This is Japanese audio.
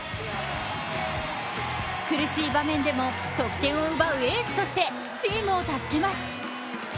苦しい場面でも得点を奪うエースとしてチームを助けます。